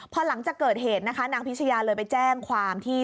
พอหลังจากเกิดเหตุนะคะนางพิชยาเลยไปแจ้งความที่